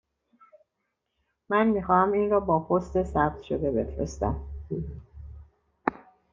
من می خواهم این را با پست ثبت شده بفرستم.